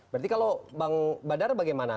berarti kalau bang badar bagaimana